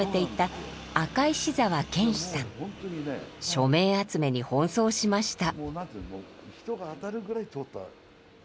署名集めに奔走しました。